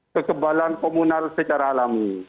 kekebalan komunal secara alami